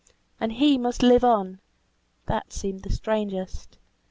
And he must live on; that seemed the strangest.